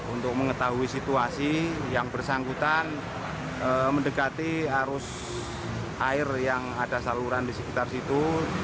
untuk mengetahui situasi yang bersangkutan mendekati arus air yang ada saluran di sekitar situ